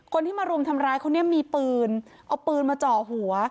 คนที่มารุมทำร้ายเขาเนี่ยมีปืนเอาปืนมาเจาะหัว